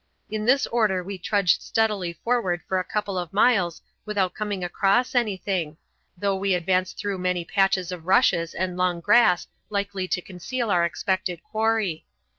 In this order we trudged steadily forward for a couple of miles without coming across anything, though we advanced through many patches of rushes and long grass likely to conceal our expected quarry.